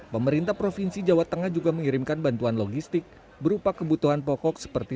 pemerintah provinsi jawa tengah juga mengirimkan bantuan logistik berupa kebutuhan pokok seperti